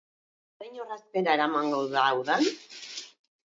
Zein orrazkera eramango da udan?